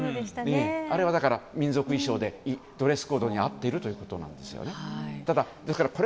あれは民族衣装でドレスコードに合っているということですね。